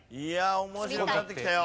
面白くなってきたよ。